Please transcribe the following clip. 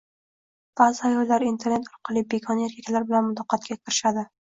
Ba’zi ayollar internet orqali begona erkaklar bilan muloqotga kirishadi.